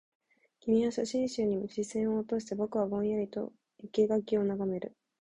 君は写真集に視線を落として、僕はぼんやりと生垣を眺める